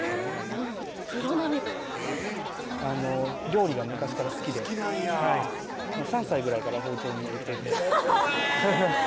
プロ並みというかえぇっ料理が昔から好きで好きなんや３歳ぐらいから包丁を握っててへぇ！